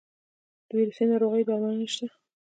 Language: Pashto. د ویروسي ناروغیو درملنه شته؟